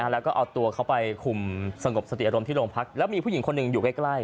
แล้วก็เอาตัวเขาไปคุมสงบสติอารมณ์ที่โรงพักแล้วมีผู้หญิงคนหนึ่งอยู่ใกล้